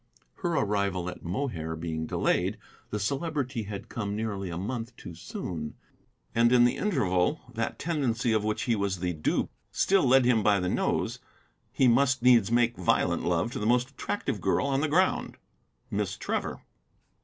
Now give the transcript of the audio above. Her arrival at Mohair being delayed, the Celebrity had come nearly a month too soon, and in the interval that tendency of which he was the dupe still led him by the nose; he must needs make violent love to the most attractive girl on the ground, Miss Trevor.